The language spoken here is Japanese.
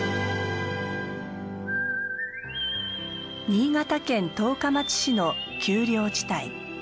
新潟県十日町市の丘陵地帯。